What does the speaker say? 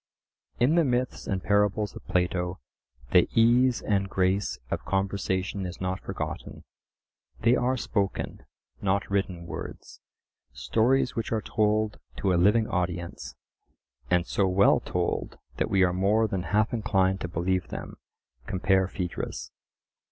In the myths and parables of Plato the ease and grace of conversation is not forgotten: they are spoken, not written words, stories which are told to a living audience, and so well told that we are more than half inclined to believe them (compare Phaedrus).